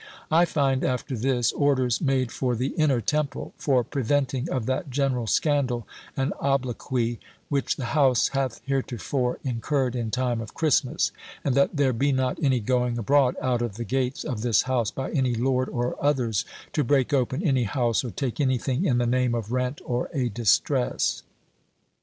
I find after this orders made for the Inner Temple, for "preventing of that general scandal and obloquie, which the House hath heretofore incurred in time of Christmas:" and that "there be not any going abroad out of the gates of this House, by any lord or others, to break open any house, or take anything in the name of rent or a distress."